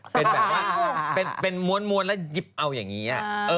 เป็นแบบว่าเป็นม้วนแล้วหยิบเอาอย่างนี้